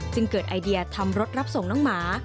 เกิดไอเดียทำรถรับส่งน้องหมา